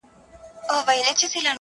پېښه د تماشې بڼه اخلي او درد پټيږي,